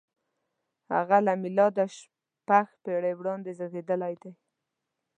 • هغه له مېلاده شپږ پېړۍ وړاندې زېږېدلی دی.